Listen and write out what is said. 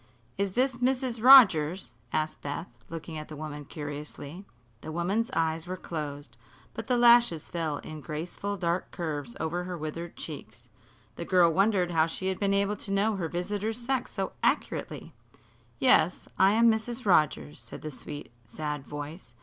"Is this Mrs. Rogers?" asked Beth, looking at the woman curiously. The woman's eyes were closed, but the lashes fell in graceful dark curves over her withered cheeks. The girl wondered how she had been able to know her visitors' sex so accurately. "Yes, I am Mrs. Rogers," said the sweet, sad voice.